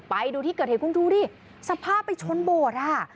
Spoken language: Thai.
ไปดูที่เกิดเหตุคุณดูดิสภาพไปชนโบสถ์ค่ะ